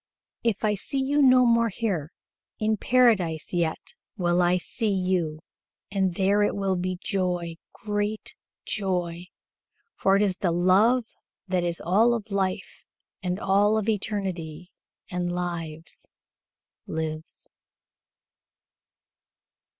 "If I see you no more here, in Paradise yet will I see you, and there it will be joy great joy; for it is the love that is all of life, and all of eternity, and lives lives."